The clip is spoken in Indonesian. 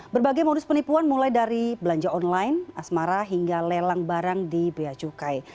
berbagai modus penipuan mulai dari belanja online asmara hingga lelang barang di beacukai